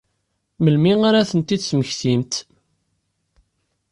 Melmi ara ad tent-id-temmektimt?